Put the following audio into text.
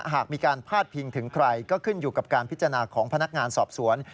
หากมีการพาดพิงถึงใครก็ขึ้นอยู่กับการพิจารณาของพนักงานสอบสวน